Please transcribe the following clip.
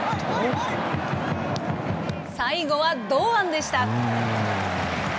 最後は堂安でした。